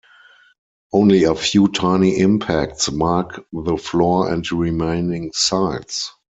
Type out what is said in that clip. Only a few tiny impacts mark the floor and remaining sides.